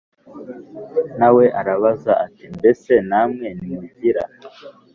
Na we arababaza ati Mbese namwe ntimugira